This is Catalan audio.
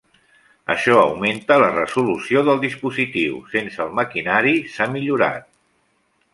Això augmenta la resolució del dispositiu, sense el maquinari s'ha millorat.